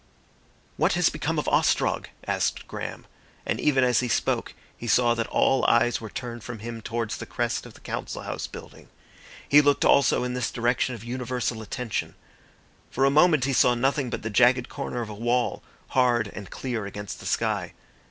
"What has become of Ostrog?" asked Graham, and even as he spoke he saw that all eyes were turned from him towards the crest of the Council House building. He looked also in this direction of universal attention. For a moment he saw nothing but the jagged corner of a wall, hard and clear against the sky.